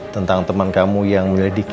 tentang teman kamu yang milih di